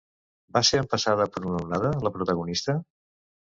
Va ser empassada per una onada, la protagonista?